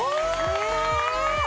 え！